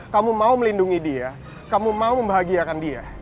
kamu mau melindungi dia kamu mau membahagiakan dia